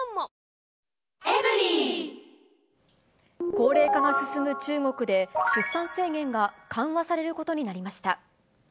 高齢化が進む中国で、出産制限が緩和されることになりました。